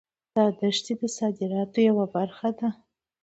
دا دښتې د صادراتو یوه برخه ده.